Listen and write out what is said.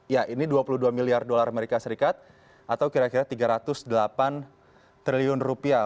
ya ini dua puluh dua miliar dolar amerika serikat atau kira kira tiga ratus delapan triliun rupiah